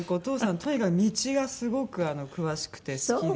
とにかく道がすごく詳しくて好きで。